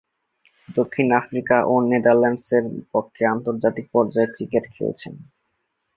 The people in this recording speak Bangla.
দক্ষিণ আফ্রিকা ও নেদারল্যান্ডসের পক্ষে আন্তর্জাতিক পর্যায়ে ক্রিকেট খেলছেন।